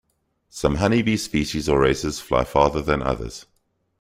Some honey bee species or races fly farther than others.